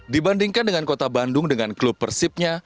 dibandingkan dengan kota bandung dengan klub persibnya